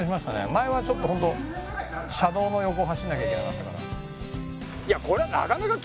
前はちょっとホント車道の横を走んなきゃいけなかったから。